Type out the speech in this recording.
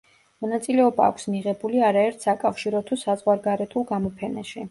მონაწილეობა აქვს მიღებული არაერთ საკავშირო თუ საზღვარგარეთულ გამოფენაში.